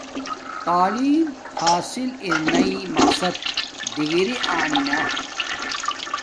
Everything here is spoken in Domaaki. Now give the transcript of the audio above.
تعلیم حاصل ارناݵ مقصد ڈگری آنی نا